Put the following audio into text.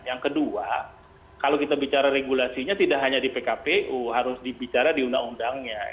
yang kedua kalau kita bicara regulasinya tidak hanya di pkpu harus dibicara di undang undangnya